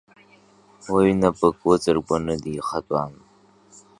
Лыҩнапык лыҵыргәаны дихатәан.